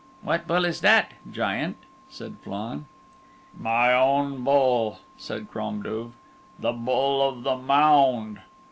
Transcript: "What bull is that, Giant?" said Flann. "My own bull," said Crom Duv, "the Bull of the Mound.